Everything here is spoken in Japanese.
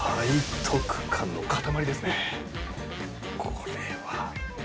これは。